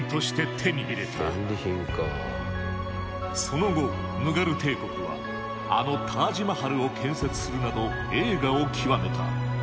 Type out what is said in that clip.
その後ムガル帝国はあのタージ・マハルを建設するなど栄華を極めた。